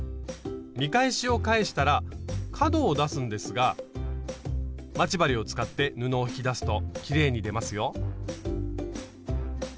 見返しを返したら角を出すんですが待ち針を使って布を引き出すときれいに出ますよ！